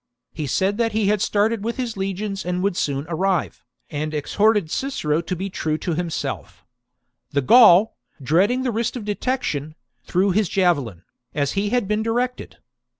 He said that he had started with his legions and would soon arrive, and exhorted Cicero to be true to himself The Gaul, dreading the risk of detection, threw his javelin, as he had been directed.